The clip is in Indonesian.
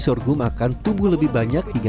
sorghum akan tumbuh lebih banyak